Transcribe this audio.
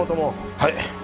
はい。